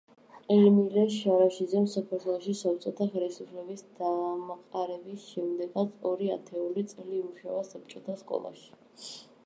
ერმილე შარაშიძემ საქართველოში საბჭოთა ხელისუფლების დამყარების შემდეგაც ორი ათეული წელი იმუშავა საბჭოთა სკოლაში.